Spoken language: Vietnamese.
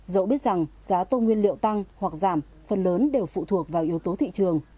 dẫu biết rằng giá tôm nguyên liệu tăng hoặc giảm phần lớn đều phụ thuộc vào yếu tố thị trường